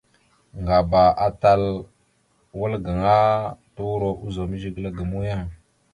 Ŋgaba ata wal gaŋa turo ozum zigəla ga muyang.